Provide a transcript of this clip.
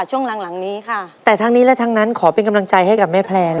ช่วงหลังหลังนี้ค่ะแต่ทั้งนี้และทั้งนั้นขอเป็นกำลังใจให้กับแม่แพลน